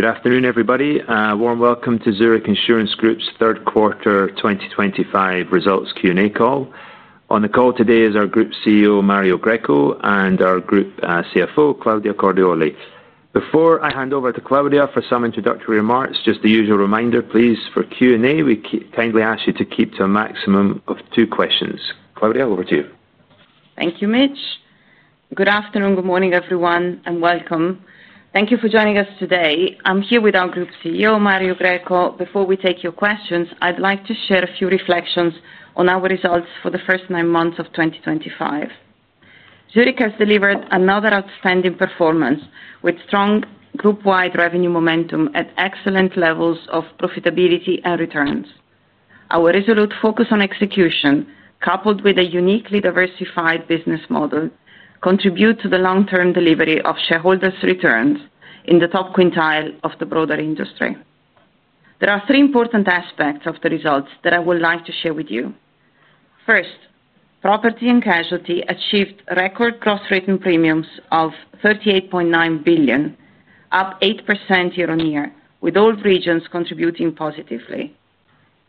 Good afternoon, everybody. Warm welcome to Zurich Insurance Group's third quarter 2025 results Q&A call. On the call today is our Group CEO, Mario Greco, and our Group CFO, Claudia Cordioli. Before I hand over to Claudia for some introductory remarks, just the usual reminder, please, for Q&A, we kindly ask you to keep to a maximum of two questions. Claudia, over to you. Thank you, Mitch. Good afternoon, good morning, everyone, and welcome. Thank you for joining us today. I'm here with our Group CEO, Mario Greco. Before we take your questions, I'd like to share a few reflections on our results for the first nine months of 2025. Zurich has delivered another outstanding performance with strong group-wide revenue momentum at excellent levels of profitability and returns. Our resolute focus on execution, coupled with a uniquely diversified business model, contributes to the long-term delivery of shareholders' returns in the top quintile of the broader industry. There are three important aspects of the results that I would like to share with you. First. Property and Casualty achieved record gross written premiums of $38.9 billion, up 8% year-on-year, with all regions contributing positively.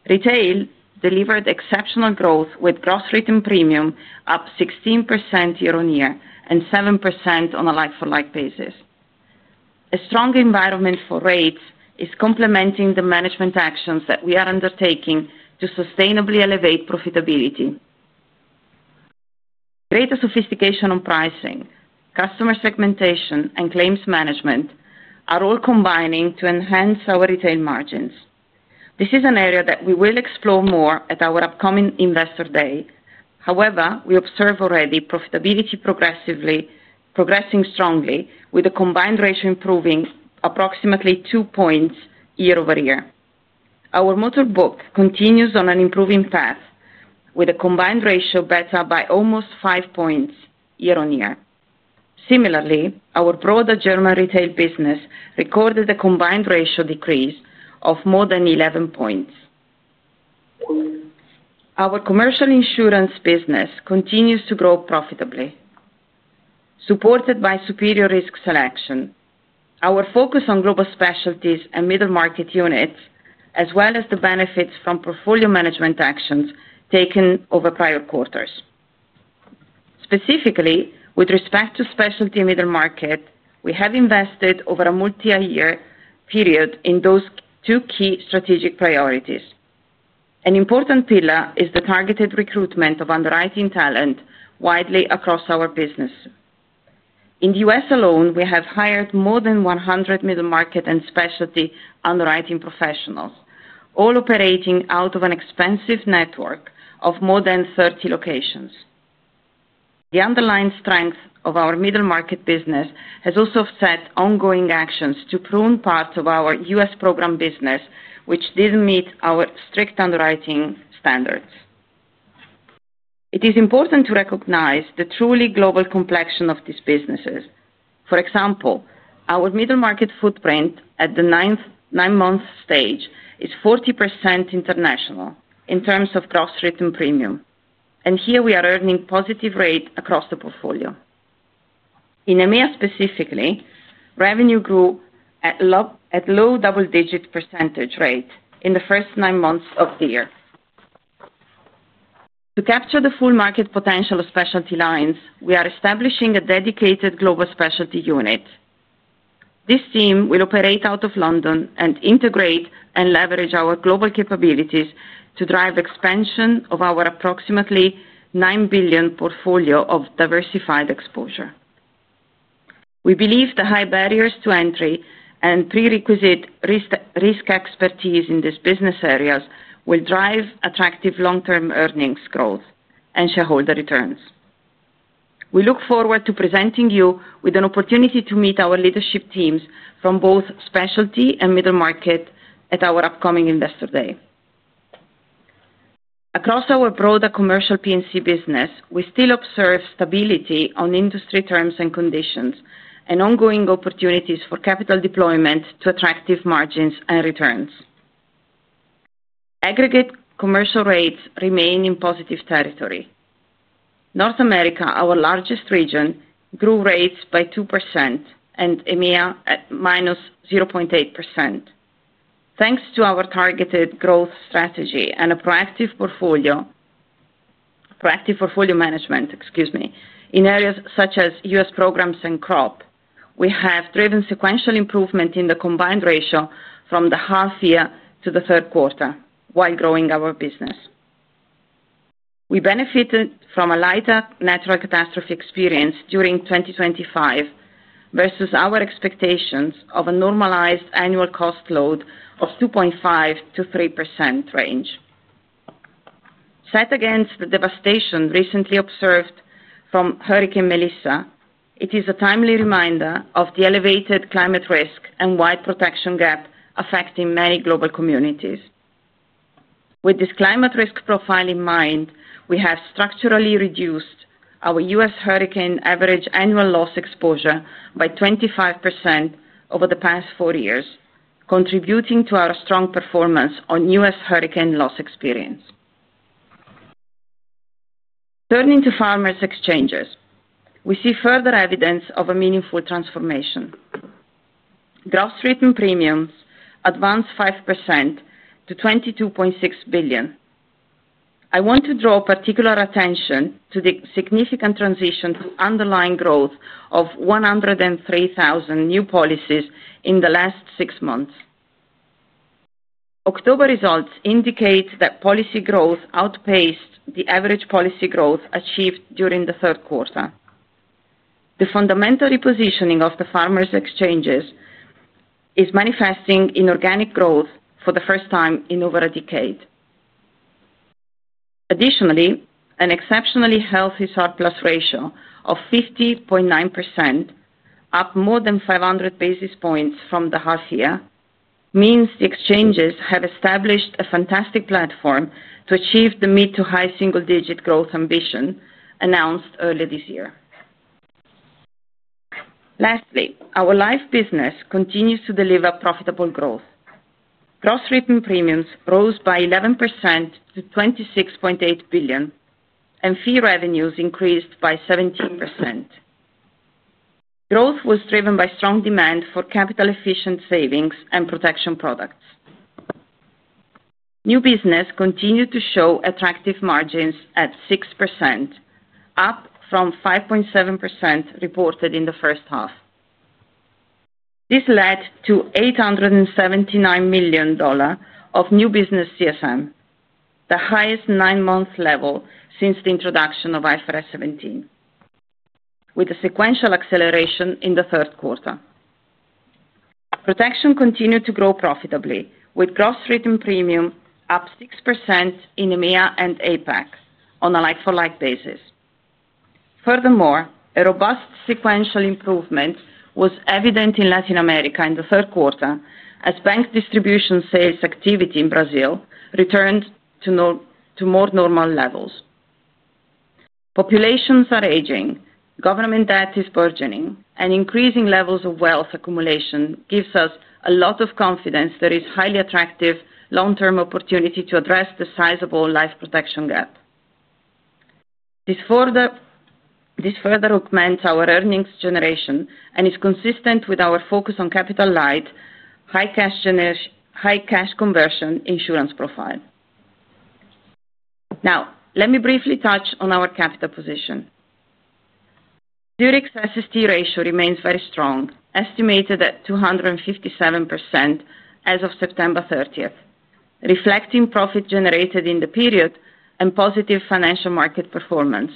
Retail delivered exceptional growth with gross written premium up 16% year-on-year and 7% on a like-for-like basis. A strong environment for rates is complementing the management actions that we are undertaking to sustainably elevate profitability. Greater sophistication on pricing, customer segmentation, and claims management are all combining to enhance our retail margins. This is an area that we will explore more at our upcoming investor day. However, we observe already profitability progressively progressing strongly, with the combined ratio improving approximately 2 points year-over-year. Our motorbook continues on an improving path, with a combined ratio better by almost 5 points year-on-year. Similarly, our broader German retail business recorded a combined ratio decrease of more than 11 points. Our commercial insurance business continues to grow profitably. Supported by superior risk selection, our focus on global specialties and middle market units, as well as the benefits from portfolio management actions taken over prior quarters. Specifically, with respect to specialty and middle market, we have invested over a multi-year period in those two key strategic priorities. An important pillar is the targeted recruitment of underwriting talent widely across our business. In the U.S. alone, we have hired more than 100 middle market and specialty underwriting professionals, all operating out of an expansive network of more than 30 locations. The underlying strength of our middle market business has also set ongoing actions to prune parts of our U.S. program business, which did not meet our strict underwriting standards. It is important to recognize the truly global complexion of these businesses. For example, our middle market footprint at the nine-month stage is 40% international in terms of gross written premium, and here we are earning positive rates across the portfolio. In EMEA specifically, revenue grew at low double-digit percentage rates in the first nine months of the year. To capture the full market potential of specialty lines, we are establishing a dedicated global specialty unit. This team will operate out of London and integrate and leverage our global capabilities to drive expansion of our approximately $9 billion portfolio of diversified exposure. We believe the high barriers to entry and prerequisite risk expertise in these business areas will drive attractive long-term earnings growth and shareholder returns. We look forward to presenting you with an opportunity to meet our leadership teams from both specialty and middle market at our upcoming Investor Day. Across our broader commercial P&C business, we still observe stability on industry terms and conditions and ongoing opportunities for capital deployment to attractive margins and returns. Aggregate commercial rates remain in positive territory. North America, our largest region, grew rates by 2% and EMEA at -0.8%. Thanks to our targeted growth strategy and a proactive portfolio management, excuse me, in areas such as US programs and crop, we have driven sequential improvement in the combined ratio from the half-year to the third quarter while growing our business. We benefited from a lighter natural catastrophe experience during 2025 versus our expectations of a normalized annual cost load of 2.5%-3% range. Set against the devastation recently observed from Hurricane Melissa, it is a timely reminder of the elevated climate risk and wide protection gap affecting many global communities. With this climate risk profile in mind, we have structurally reduced our U.S. hurricane average annual loss exposure by 25% over the past four years, contributing to our strong performance on U.S. hurricane loss experience. Turning to Farmers Exchanges, we see further evidence of a meaningful transformation. Gross written premiums advanced 5% to $22.6 billion. I want to draw particular attention to the significant transition to underlying growth of 103,000 new policies in the last six months. October results indicate that policy growth outpaced the average policy growth achieved during the third quarter. The fundamental repositioning of the Farmers Exchanges is manifesting in organic growth for the first time in over a decade. Additionally, an exceptionally healthy surplus ratio of 50.9%, up more than 500 basis points from the half-year, means the Exchanges have established a fantastic platform to achieve the mid- to high single-digit growth ambition announced earlier this year. Lastly, our life business continues to deliver profitable growth. Gross written premiums rose by 11% to $26.8 billion, and fee revenues increased by 17%. Growth was driven by strong demand for capital-efficient savings and protection products. New business continued to show attractive margins at 6%, up from 5.7% reported in the first half. This led to $879 million of new business CSM, the highest nine-month level since the introduction of IFRS 17, with a sequential acceleration in the third quarter. Protection continued to grow profitably, with gross written premium up 6% in EMEA and APAC on a like-for-like basis. Furthermore, a robust sequential improvement was evident in Latin America in the third quarter as bank distribution sales activity in Brazil returned to more normal levels. Populations are aging, government debt is burdening, and increasing levels of wealth accumulation gives us a lot of confidence there is a highly attractive long-term opportunity to address the sizeable life protection gap. This further. Augments our earnings generation and is consistent with our focus on capital-light, high cash conversion insurance profile. Now, let me briefly touch on our capital position. Zurich's SST ratio remains very strong, estimated at 257% as of September 30, reflecting profit generated in the period and positive financial market performance,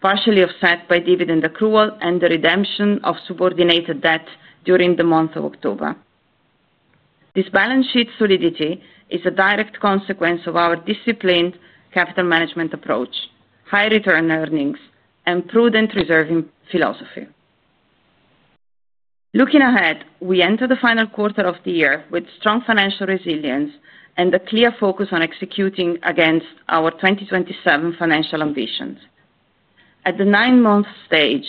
partially offset by dividend accrual and the redemption of subordinated debt during the month of October. This balance sheet solidity is a direct consequence of our disciplined capital management approach, high return earnings, and prudent reserving philosophy. Looking ahead, we enter the final quarter of the year with strong financial resilience and a clear focus on executing against our 2027 financial ambitions. At the nine-month stage,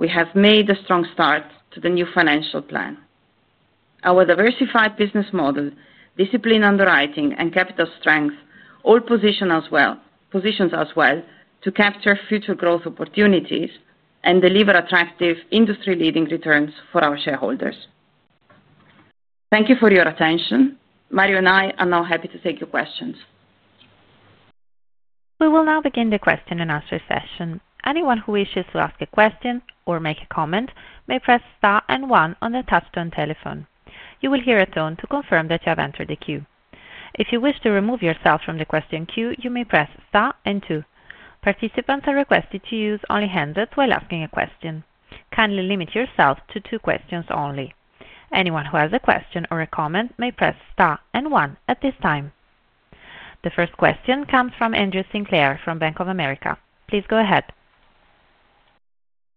we have made a strong start to the new financial plan. Our diversified business model, disciplined underwriting, and capital strength all position. Us well to capture future growth opportunities and deliver attractive industry-leading returns for our shareholders. Thank you for your attention. Mario and I are now happy to take your questions. We will now begin the question and answer session. Anyone who wishes to ask a question or make a comment may press star and one on the touch-tone telephone. You will hear a tone to confirm that you have entered the queue. If you wish to remove yourself from the question queue, you may press star and two. Participants are requested to use only hands while asking a question. Kindly limit yourself to two questions only. Anyone who has a question or a comment may press star and one at this time. The first question comes from Andrew Sinclair from Bank of America. Please go ahead.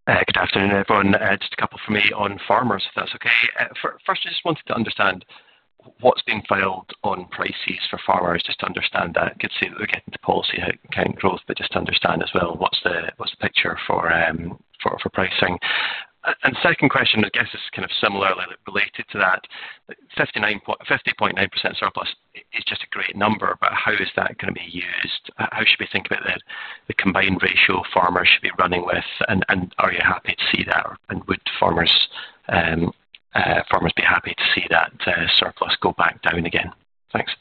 Good afternoon, everyone. Just a couple from me on Farmers, if that's okay. First, I just wanted to understand what's being filed on prices for Farmers, just to understand that. Good to see that we're getting to policy count growth, but just to understand as well what's the picture for pricing. The second question, I guess, is kind of similarly related to that. 50.9% surplus is just a great number, but how is that going to be used? How should we think about the combined ratio Farmers should be running with? Are you happy to see that? Would Farmers be happy to see that surplus go back down again? Thanks.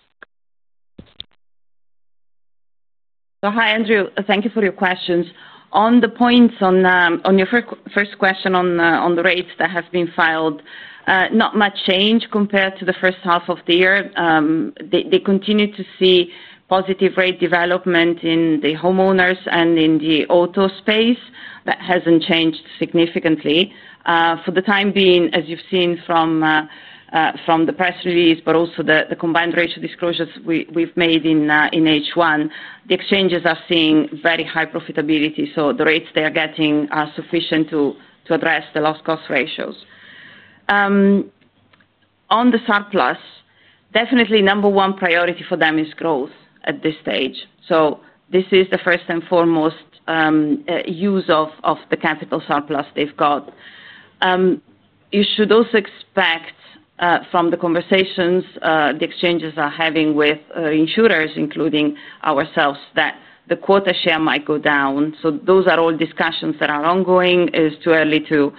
Hi, Andrew. Thank you for your questions. On the points on your first question on the rates that have been filed, not much change compared to the first half of the year. They continue to see positive rate development in the homeowners and in the auto space. That has not changed significantly. For the time being, as you have seen from the press release, but also the combined ratio disclosures we have made in H1, the exchanges are seeing very high profitability. The rates they are getting are sufficient to address the loss cost ratios. On the surplus, definitely number one priority for them is growth at this stage. This is the first and foremost use of the capital surplus they have got. You should also expect from the conversations the exchanges are having with insurers, including ourselves, that the quota share might go down. Those are all discussions that are ongoing. It's too early to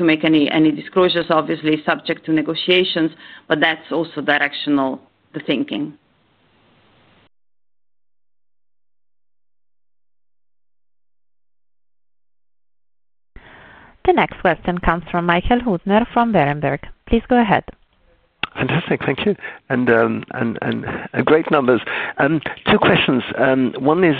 make any disclosures, obviously subject to negotiations, but that's also directional thinking. The next question comes from Michael Huttner from Berenberg. Please go ahead. Fantastic. Thank you. Great numbers. Two questions. One is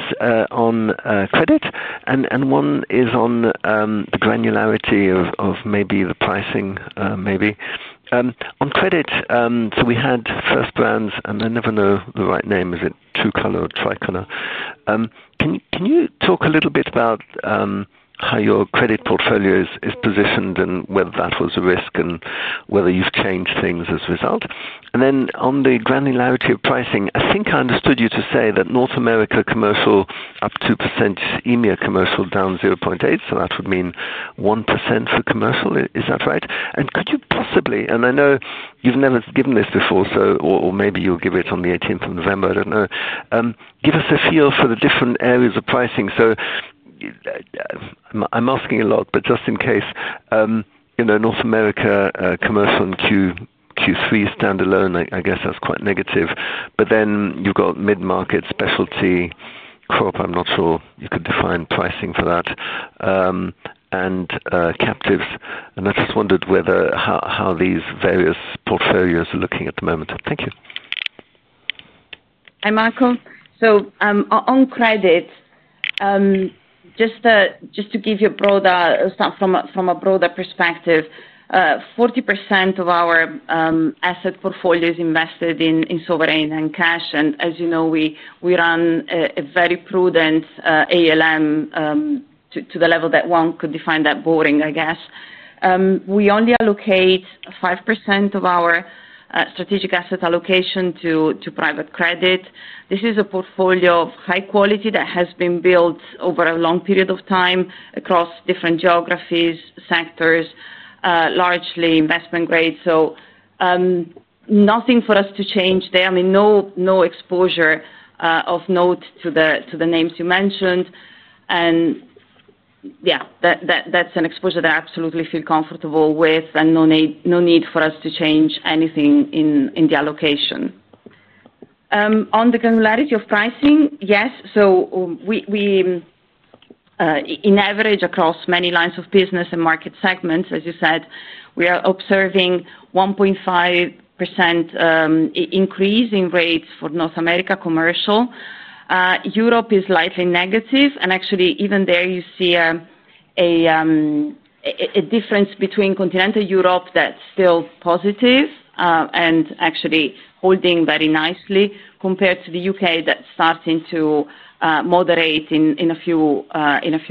on credit, and one is on the granularity of maybe the pricing, maybe. On credit, we had first rounds, and I never know the right name. Is it two-color or tricolor? Can you talk a little bit about how your credit portfolio is positioned and whether that was a risk and whether you've changed things as a result? On the granularity of pricing, I think I understood you to say that North America commercial up 2%, EMEA commercial down 0.8%. That would mean 1% for commercial. Is that right? Could you possibly, and I know you've never given this before, or maybe you'll give it on the 18th of November, I don't know, give us a feel for the different areas of pricing? I'm asking a lot, but just in case. North America commercial and Q3 standalone, I guess that's quite negative. You have mid-market, specialty, crop, I'm not sure you could define pricing for that. And captives. I just wondered how these various portfolios are looking at the moment. Thank you. Hi, Michael. On credit, just to give you a start from a broader perspective, 40% of our asset portfolio is invested in sovereign and cash. As you know, we run a very prudent ALM. To the level that one could define that boring, I guess. We only allocate 5% of our strategic asset allocation to private credit. This is a portfolio of high quality that has been built over a long period of time across different geographies, sectors, largely investment grade. Nothing for us to change there. I mean, no exposure of note to the names you mentioned. Yeah, that's an exposure that I absolutely feel comfortable with and no need for us to change anything in the allocation. On the granularity of pricing, yes. In average across many lines of business and market segments, as you said, we are observing 1.5%. Increase in rates for North America commercial. Europe is slightly negative. Actually, even there, you see a difference between continental Europe that's still positive and actually holding very nicely compared to the U.K. that's starting to moderate in a few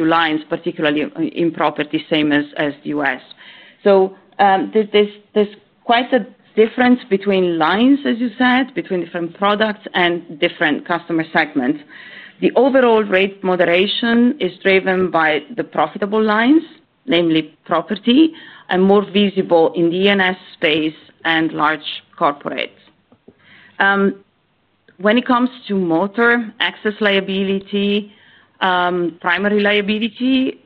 lines, particularly in property, same as the U.S. There's quite a difference between lines, as you said, between different products and different customer segments. The overall rate moderation is driven by the profitable lines, namely property, and more visible in the ENS space and large corporates. When it comes to motor, excess liability, primary liability,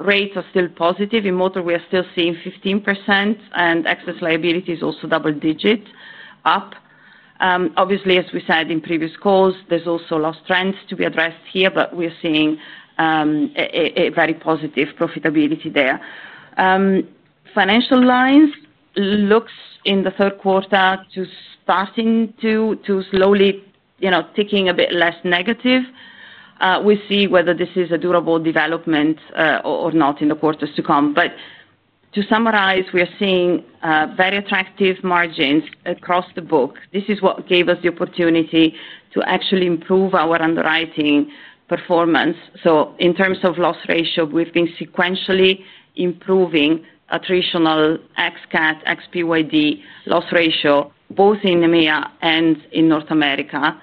rates are still positive. In motor, we are still seeing 15%, and excess liability is also double-digit up. Obviously, as we said in previous calls, there's also loss trends to be addressed here, but we are seeing a very positive profitability there. Financial lines looks in the third quarter to starting to slowly. Ticking a bit less negative. We will see whether this is a durable development or not in the quarters to come. To summarize, we are seeing very attractive margins across the book. This is what gave us the opportunity to actually improve our underwriting performance. In terms of loss ratio, we have been sequentially improving a traditional XCAT, XPYD loss ratio, both in EMEA and in North America.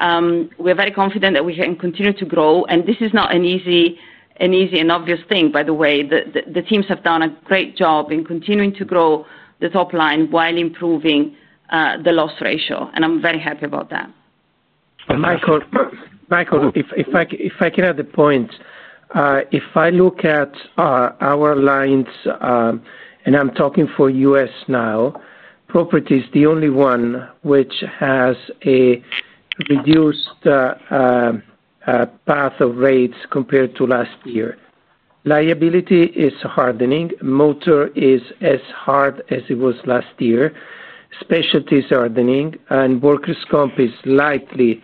We are very confident that we can continue to grow. This is not an easy and obvious thing, by the way. The teams have done a great job in continuing to grow the top line while improving the loss ratio. I am very happy about that. Michael, if I can add a point. If I look at our lines. And I'm talking for U.S. now, property is the only one which has a reduced path of rates compared to last year. Liability is hardening. Motor is as hard as it was last year. Specialties are hardening. Workers' comp is slightly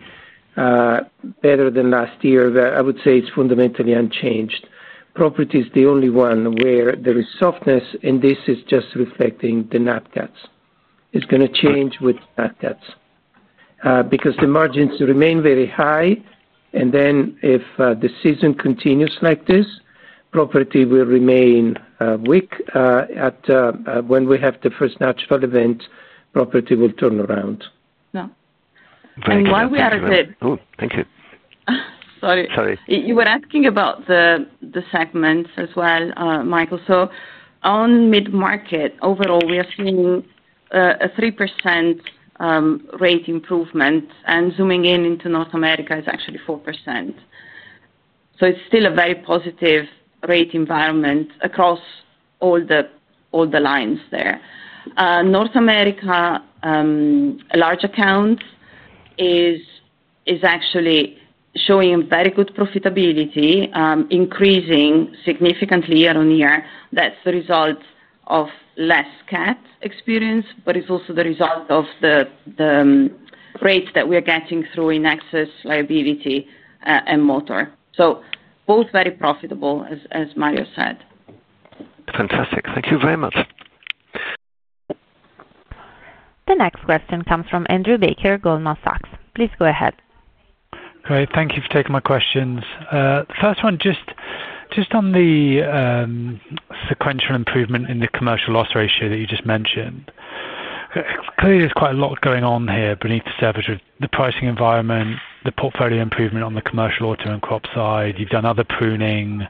better than last year. I would say it's fundamentally unchanged. Property is the only one where there is softness, and this is just reflecting the natcats. It's going to change with natcats. Because the margins remain very high, and then if the season continues like this, property will remain weak. When we have the first natural event, property will turn around. While we are at it. Oh, thank you. Sorry. You were asking about the segments as well, Michael. On mid-market, overall, we are seeing a 3% rate improvement. Zooming in into North America, it is actually 4%. It is still a very positive rate environment across all the lines there. North America large accounts is actually showing very good profitability, increasing significantly year-on-year. That is the result of less CAT experience, but it is also the result of the rates that we are getting through in excess liability and motor. Both are very profitable, as Mario said. Fantastic. Thank you very much. The next question comes from Andrew Baker, Goldman Sachs. Please go ahead. Great. Thank you for taking my questions. First one, just on the sequential improvement in the commercial loss ratio that you just mentioned. Clearly, there's quite a lot going on here beneath the surface. The pricing environment, the portfolio improvement on the commercial auto and crop side. You've done other pruning.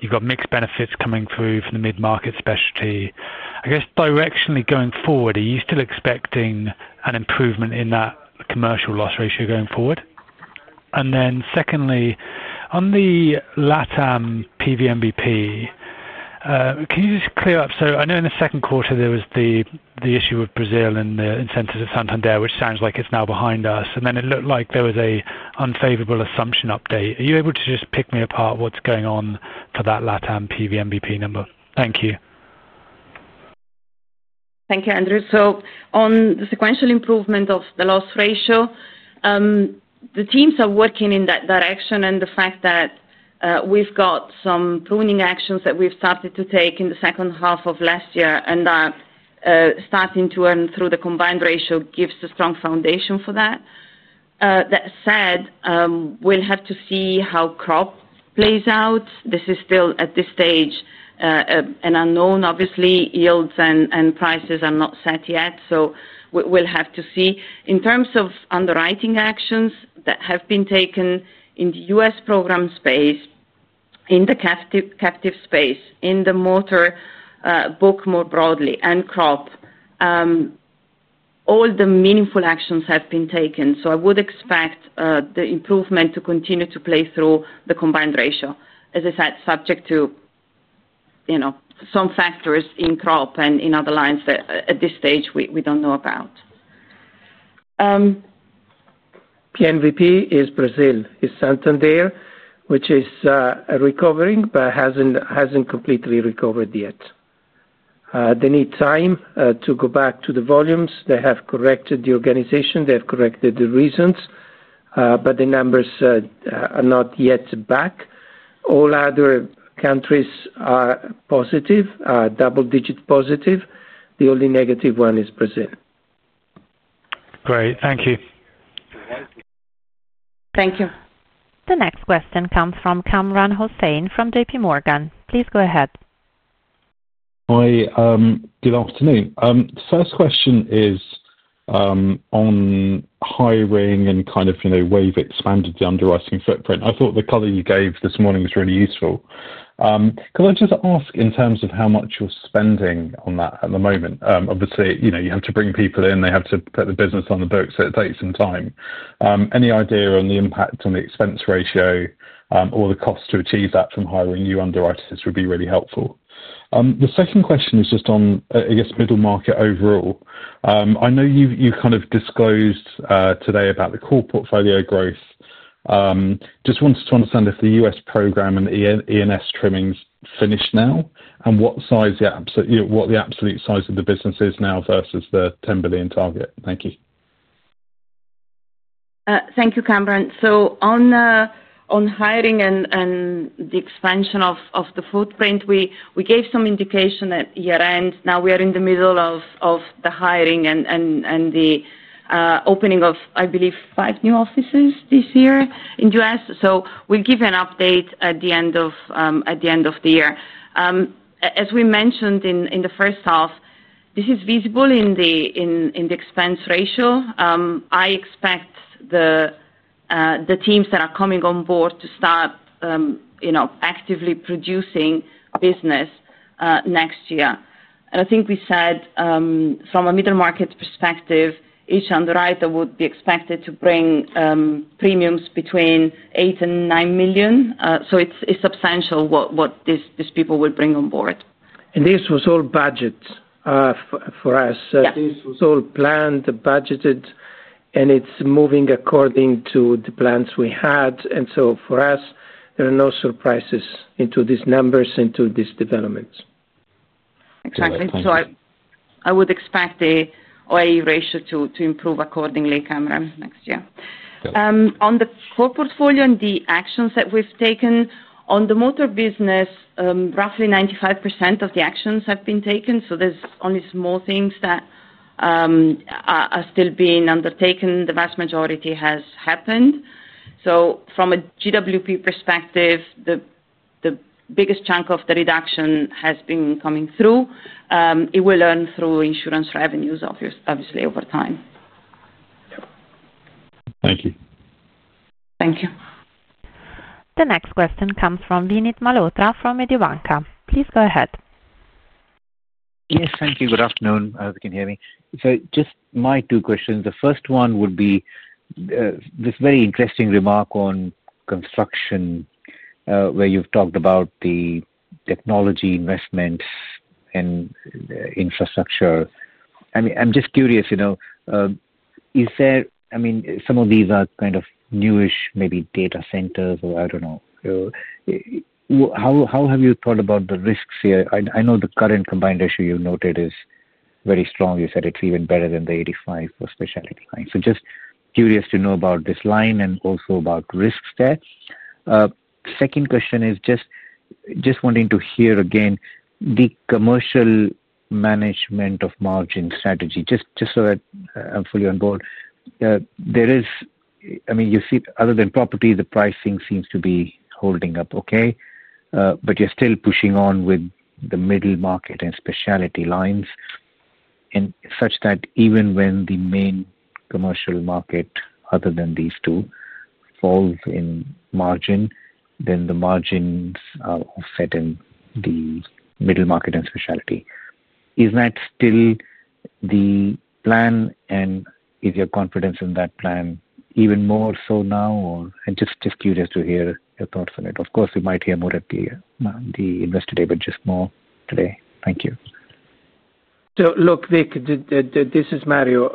You've got mixed benefits coming through from the mid-market specialty. I guess, directionally going forward, are you still expecting an improvement in that commercial loss ratio going forward? Secondly, on the LATAM PV MVP. Can you just clear up? I know in the second quarter, there was the issue with Brazil and the incentives at Santander, which sounds like it's now behind us. It looked like there was an unfavorable assumption update. Are you able to just pick me apart what's going on for that LATAM PV MVP number? Thank you. Thank you, Andrew. On the sequential improvement of the loss ratio, the teams are working in that direction and the fact that we have some pruning actions that we started to take in the second half of last year and are starting to earn through the combined ratio gives a strong foundation for that. That said, we will have to see how crop plays out. This is still, at this stage, an unknown. Obviously, yields and prices are not set yet, so we will have to see. In terms of underwriting actions that have been taken in the U.S. program space, in the captive space, in the motor book more broadly, and crop, all the meaningful actions have been taken. I would expect the improvement to continue to play through the combined ratio, as I said, subject to. Some factors in crop and in other lines that at this stage we do not know about. PNVP is Brazil. It's Santander, which is recovering but hasn't completely recovered yet. They need time to go back to the volumes. They have corrected the organization. They have corrected the reasons. The numbers are not yet back. All other countries are positive, double-digit positive. The only negative one is Brazil. Great. Thank you. Thank you. The next question comes from Kamran Hossein from JPMorgan. Please go ahead. Hi. Good afternoon. The first question is on hiring and kind of the way you've expanded the underwriting footprint. I thought the color you gave this morning was really useful. Could I just ask in terms of how much you're spending on that at the moment? Obviously, you have to bring people in. They have to put the business on the book, so it takes some time. Any idea on the impact on the expense ratio or the cost to achieve that from hiring new underwriters would be really helpful. The second question is just on, I guess, middle market overall. I know you've kind of disclosed today about the core portfolio growth. Just wanted to understand if the U.S. program and ENS trimmings finish now and what size the absolute size of the business is now versus the $10 billion target. Thank you. Thank you, Kamran. On hiring and the expansion of the footprint, we gave some indication at year-end. Now we are in the middle of the hiring and the opening of, I believe, five new offices this year in the U.S. We will give an update at the end of the year. As we mentioned in the first half, this is visible in the expense ratio. I expect the teams that are coming on board to start actively producing business next year. I think we said from a middle market perspective, each underwriter would be expected to bring premiums between $8 million and $9 million. It is substantial what these people will bring on board. This was all budget for us. This was all planned, budgeted, and it is moving according to the plans we had. For us, there are no surprises in these numbers, in these developments. Exactly. I would expect the OAE ratio to improve accordingly, Cameron, next year. On the core portfolio and the actions that we've taken, on the motor business, roughly 95% of the actions have been taken. There are only small things that are still being undertaken. The vast majority has happened. From a GWP perspective, the biggest chunk of the reduction has been coming through. It will earn through insurance revenues, obviously, over time. Thank you. Thank you. The next question comes from Vinit Malhotra from Mediobanca. Please go ahead. Yes, thank you. Good afternoon. I hope you can hear me. Just my two questions. The first one would be this very interesting remark on construction, where you've talked about the technology investments and infrastructure. I mean, I'm just curious, is there, I mean, some of these are kind of newish, maybe data centers, or I don't know. How have you thought about the risks here? I know the current combined ratio you noted is very strong. You said it's even better than the 85% for specialty lines. Just curious to know about this line and also about risks there. Second question is just wanting to hear again the commercial management of margin strategy, just so that I'm fully on board. There is, I mean, you see, other than property, the pricing seems to be holding up okay. You're still pushing on with the middle market and specialty lines. Such that even when the main commercial market, other than these two, falls in margin, the margins are offset in the middle market and specialty. Is that still the plan, and is your confidence in that plan even more so now? Just curious to hear your thoughts on it. Of course, we might hear more at the investor table, just more today. Thank you. Look, Vinit, this is Mario.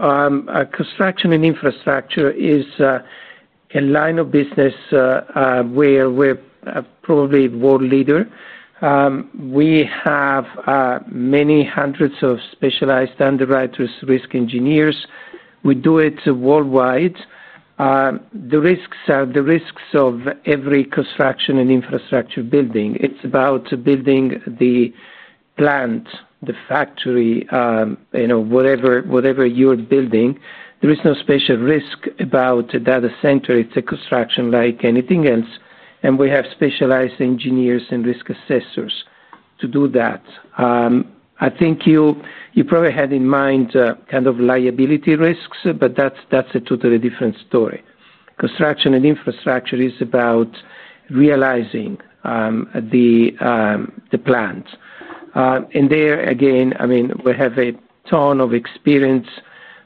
Construction and infrastructure is a line of business where we're probably world leader. We have many hundreds of specialized underwriters, risk engineers. We do it worldwide. The risks of every construction and infrastructure building, it's about building the plant, the factory, whatever you're building. There is no special risk about data center. It's a construction like anything else. We have specialized engineers and risk assessors to do that. I think you probably had in mind kind of liability risks, but that's a totally different story. Construction and infrastructure is about realizing the plant. There, again, I mean, we have a ton of experience.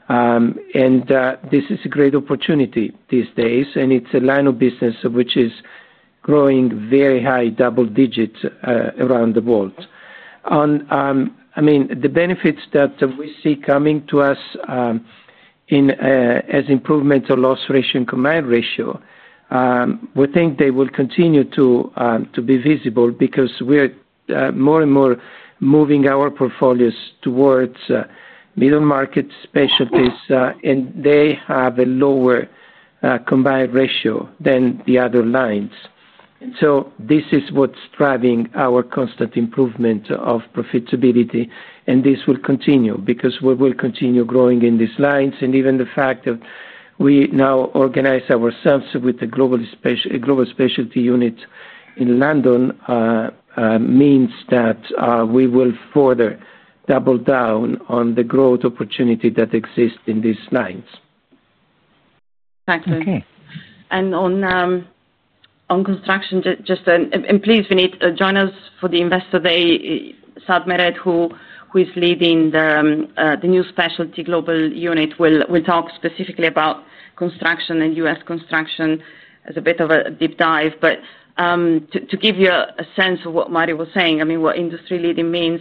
This is a great opportunity these days. It's a line of business which is growing very high, double-digit around the world. I mean, the benefits that we see coming to us. As improvements of loss ratio and combined ratio. We think they will continue to be visible because we're more and more moving our portfolios towards middle market specialties, and they have a lower combined ratio than the other lines. This is what's driving our constant improvement of profitability. This will continue because we will continue growing in these lines. Even the fact that we now organize ourselves with a global specialty unit in London means that we will further double down on the growth opportunity that exists in these lines. Thank you. On construction, just please, Vinit, join us for the Investor Day. Submitted, who is leading the new specialty global unit, will talk specifically about construction and U.S. construction as a bit of a deep dive. To give you a sense of what Mario was saying, I mean, what industry leading means.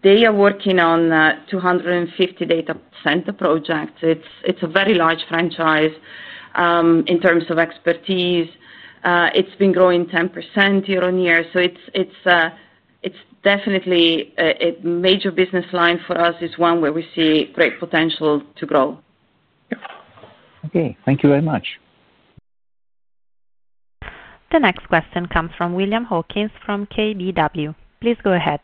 They are working on 250 data center projects. It is a very large franchise. In terms of expertise, it has been growing 10% year-on-year. It is definitely a major business line for us, is one where we see great potential to grow. Okay. Thank you very much. The next question comes from William Hawkins from KBW. Please go ahead.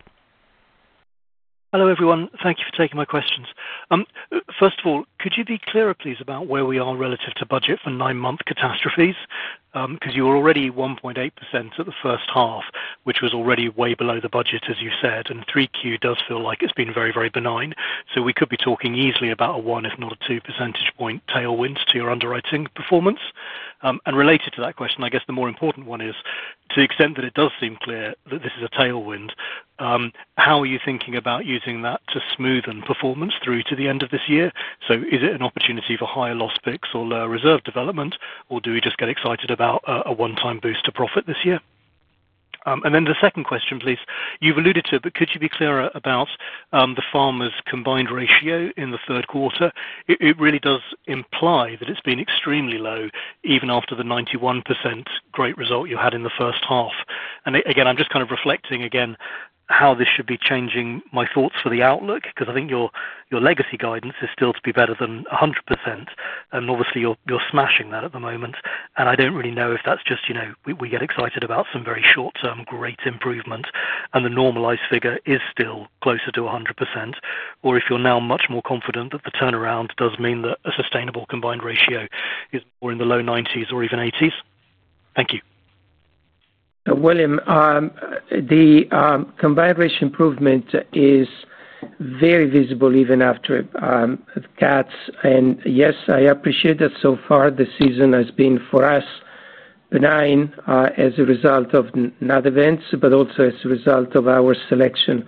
Hello, everyone. Thank you for taking my questions. First of all, could you be clearer, please, about where we are relative to budget for nine-month catastrophes? Because you were already 1.8% at the first half, which was already way below the budget, as you said. 3Q does feel like it's been very, very benign. We could be talking easily about a 1, if not a 2 percentage point tailwind to your underwriting performance. Related to that question, I guess the more important one is, to the extent that it does seem clear that this is a tailwind. How are you thinking about using that to smoothen performance through to the end of this year? Is it an opportunity for higher loss picks or lower reserve development, or do we just get excited about a one-time boost to profit this year? The second question, please. You've alluded to it, but could you be clearer about the Farmers combined ratio in the third quarter? It really does imply that it's been extremely low, even after the 91% great result you had in the first half. I'm just kind of reflecting again how this should be changing my thoughts for the outlook because I think your legacy guidance is still to be better than 100%. Obviously, you're smashing that at the moment. I don't really know if that's just we get excited about some very short-term great improvement and the normalized figure is still closer to 100%, or if you're now much more confident that the turnaround does mean that a sustainable combined ratio is more in the low 90s or even 80s. Thank you. The combined ratio improvement is very visible even after the cuts. Yes, I appreciate that so far the season has been for us benign as a result of not events, but also as a result of our selection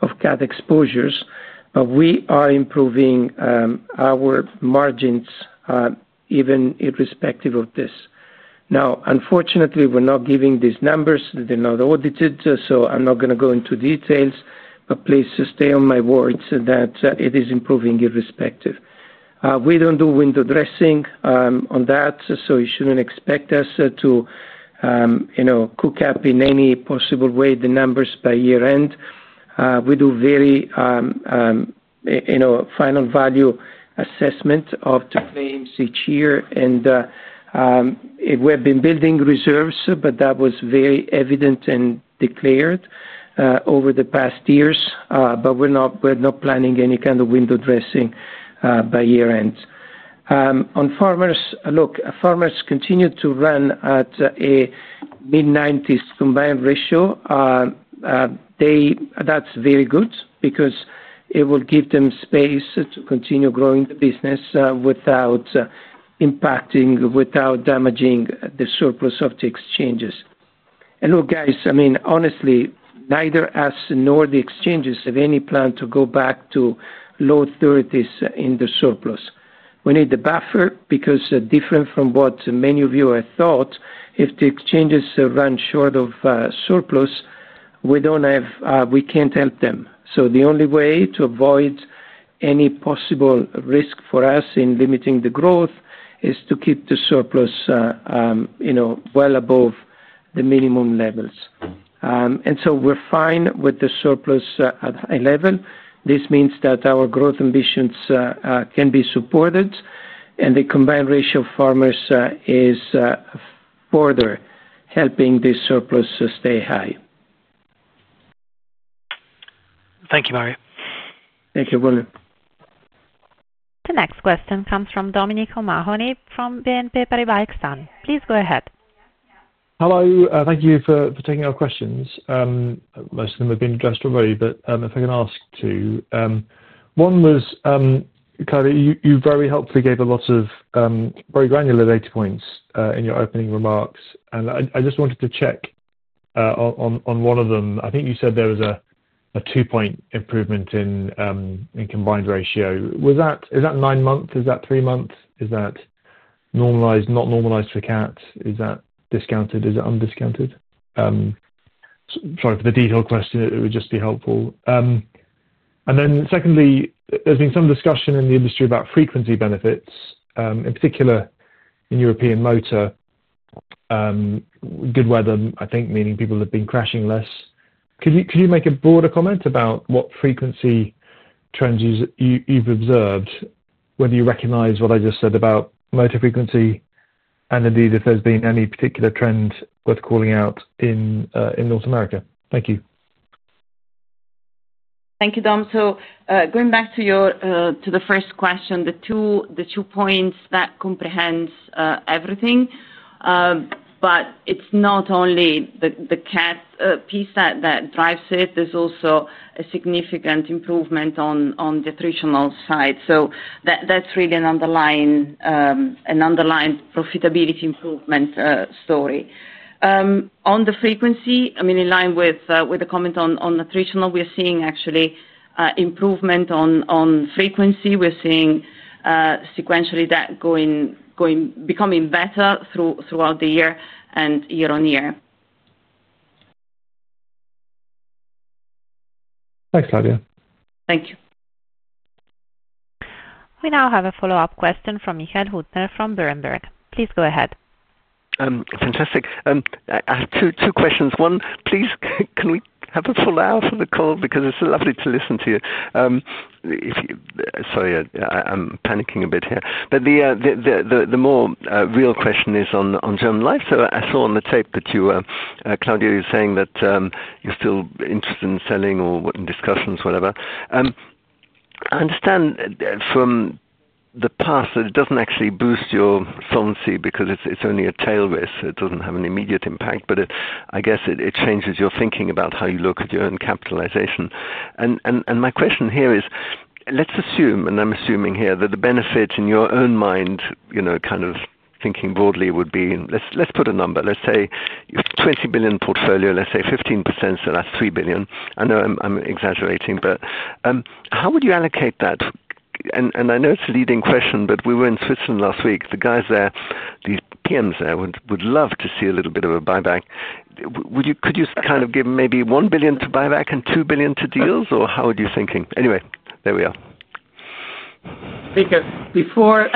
of cut exposures. We are improving our margins even irrespective of this. Now, unfortunately, we're not giving these numbers. They're not audited, so I'm not going to go into details. Please stay on my words that it is improving irrespective. We don't do window dressing on that, so you shouldn't expect us to cook up in any possible way the numbers by year-end. We do very final value assessment of claims each year. We have been building reserves, but that was very evident and declared over the past years. We're not planning any kind of window dressing by year-end. On Farmers, look, Farmers continue to run at a mid-90s combined ratio. That's very good because it will give them space to continue growing the business without impacting, without damaging the surplus of the Exchanges. Look, guys, I mean, honestly, neither us nor the Exchanges have any plan to go back to low authorities in the surplus. We need the buffer because, different from what many of you have thought, if the Exchanges run short of surplus, we can't help them. The only way to avoid any possible risk for us in limiting the growth is to keep the surplus well above the minimum levels. We're fine with the surplus at a high level. This means that our growth ambitions can be supported, and the combined ratio of Farmers is further helping this surplus stay high. Thank you, Mario. Thank you, William. The next question comes from Dominic O'Mahony from BNP Paribas Exane. Please go ahead. Hello. Thank you for taking our questions. Most of them have been addressed already, but if I can ask two. One was, you very helpfully gave a lot of very granular data points in your opening remarks. I just wanted to check on one of them. I think you said there was a two-point improvement in combined ratio. Is that nine months? Is that three months? Is that normalized, not normalized for cats? Is that discounted? Is it undiscounted? Sorry, for the detailed question, it would just be helpful. Then secondly, there's been some discussion in the industry about frequency benefits, in particular in European motor. Good weather, I think, meaning people have been crashing less. Could you make a broader comment about what frequency trends you've observed, whether you recognize what I just said about motor frequency and indeed if there's been any particular trend worth calling out in North America? Thank you. Thank you, Dom. Going back to the first question, the two points that comprehense everything. It's not only the cat piece that drives it. There's also a significant improvement on the attritional side. That's really an underlying profitability improvement story. On the frequency, I mean, in line with the comment on attritional, we're seeing actually improvement on frequency. We're seeing sequentially that becoming better throughout the year and year-on-year. Thanks, Claudia. Thank you. We now have a follow-up question from Michael Huttner from Berenberg. Please go ahead. Fantastic. Two questions. One, please, can we have a full hour for the call? Because it's lovely to listen to you. Sorry, I'm panicking a bit here. The more real question is on German life. I saw on the tape that you, Claudia, were saying that you're still interested in selling or in discussions, whatever. I understand from the past that it doesn't actually boost your pharmacy because it's only a tail risk. It doesn't have an immediate impact, but I guess it changes your thinking about how you look at your own capitalization. My question here is, let's assume, and I'm assuming here, that the benefit in your own mind, kind of thinking broadly, would be, let's put a number. Let's say you have a $20 billion portfolio, let's say 15%, so that's $3 billion. I know I'm exaggerating, but how would you allocate that? I know it's a leading question, but we were in Switzerland last week. The guys there, the PMs there, would love to see a little bit of a buyback. Could you kind of give maybe $1 billion to buyback and $2 billion to deals, or how are you thinking? Anyway, there we are. Before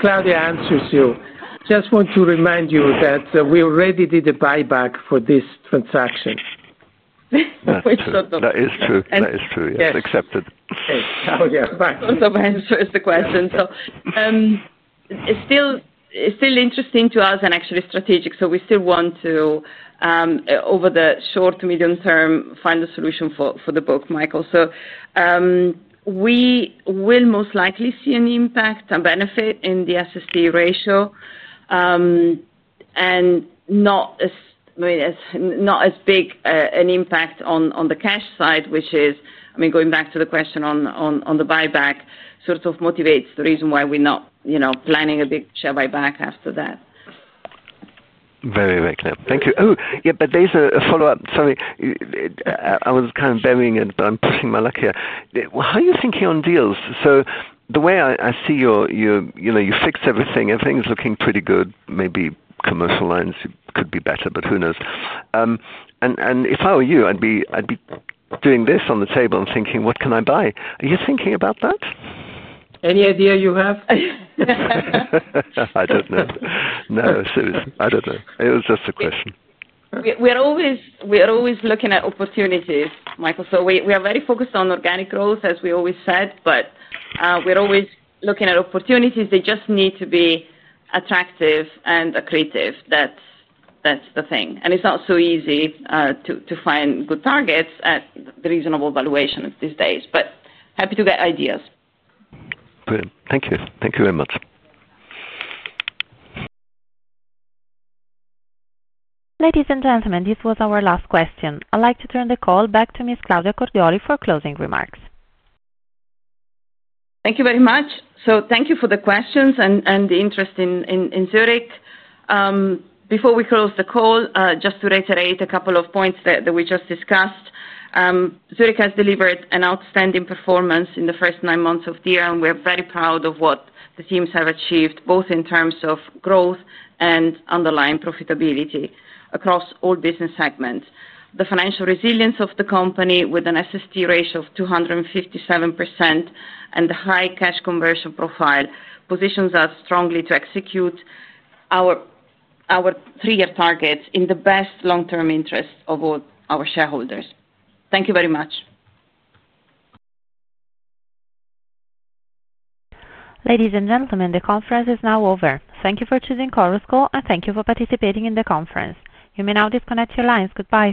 Claudia answers you, I just want to remind you that we already did a buyback for this transaction. That is true. Yes, accepted. Claudia, bye. Also, by answers the question. It's still interesting to us and actually strategic. We still want to, over the short to medium term, find a solution for the book, Michael. We will most likely see an impact and benefit in the SST ratio, and not as big an impact on the cash side, which is, I mean, going back to the question on the buyback, sort of motivates the reason why we're not planning a big share buyback after that. Very, very clear. Thank you. Oh, yeah, but there is a follow-up. Sorry. I was kind of burying it, but I am putting my luck here. How are you thinking on deals? The way I see you, you fix everything. Everything is looking pretty good. Maybe commercial lines could be better, but who knows? If I were you, I would be doing this on the table and thinking, what can I buy? Are you thinking about that? Any idea you have? I don't know. No, seriously, I don't know. It was just a question. We're always looking at opportunities, Michael. We are very focused on organic growth, as we always said, but we're always looking at opportunities. They just need to be attractive and accretive. That's the thing. It's not so easy to find good targets at reasonable valuation these days. Happy to get ideas. Brilliant. Thank you. Thank you very much. Ladies and gentlemen, this was our last question. I'd like to turn the call back to Ms. Claudia Cordioli for closing remarks. Thank you very much. Thank you for the questions and the interest in Zurich. Before we close the call, just to reiterate a couple of points that we just discussed. Zurich has delivered an outstanding performance in the first nine months of the year, and we are very proud of what the teams have achieved, both in terms of growth and underlying profitability across all business segments. The financial resilience of the company with an SST ratio of 257% and the high cash conversion profile positions us strongly to execute our three-year targets in the best long-term interest of our shareholders. Thank you very much. Ladies and gentlemen, the conference is now over. Thank you for choosing Corusco, and thank you for participating in the conference. You may now disconnect your lines. Goodbye.